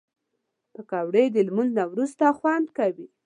پکورې د لمونځ نه وروسته خوند کوي